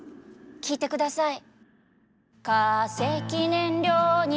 聴いてください。